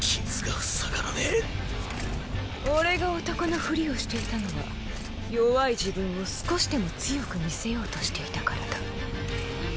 俺が男のふりをしていたのは弱い自分を少しでも強く見せようとしていたからだ。